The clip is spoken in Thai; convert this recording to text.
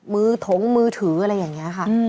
ถงมือถืออะไรอย่างนี้ค่ะ